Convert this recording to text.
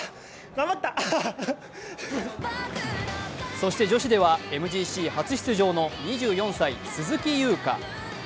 そして女子ではＭＧＣ初出場の２４歳、鈴木優花。